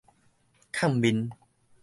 崁面